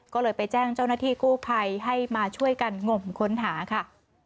ก็เลยไปแจ้งเจ้าหน้าที่กู้ภัยให้มาช่วยกันงมค้นหาค่ะ